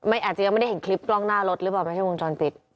อาจจะยังไม่ได้เห็นคลิปกล้องหน้ารถหรือเปล่าไม่ใช่วงจรปิด